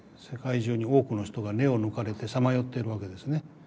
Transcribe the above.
世界中に多くの人が根を抜かれてさまよっているわけですね。